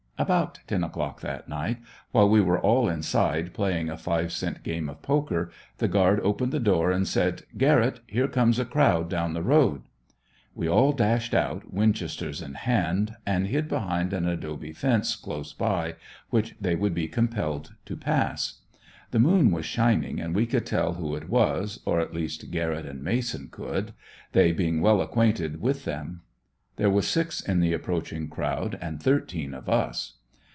About ten o'clock that night, while we were all inside playing a five cent game of poker, the guard opened the door and said, 'Garrett, here comes a crowd down the road!' We all dashed out, winchesters in hand, and hid behind an adobe fence, close by, which they would be compelled to pass. The moon was shining and we could tell who it was, or at least Garrett and Mason could; they being well acquainted with them. There was six in the approaching crowd, and thirteen of us.